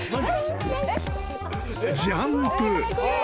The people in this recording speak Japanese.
［ジャンプ］